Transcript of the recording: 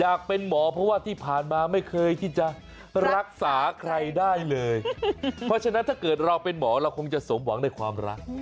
อยากเป็นหมอเพราะว่าที่ผ่านมาไม่เคยที่จะรักษาใครได้เลยเพราะฉะนั้นถ้าเกิดเราเป็นหมอเราคงจะสมหวังในความรัก